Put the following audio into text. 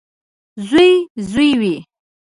• زوی زوی وي.